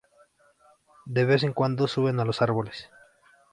De vez en cuando, suben a los árboles.